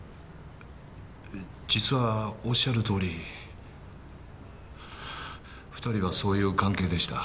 実はおっしゃるとおり２人はそういう関係でした。